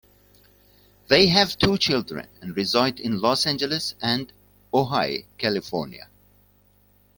They have two children, and reside in Los Angeles and Ojai, California.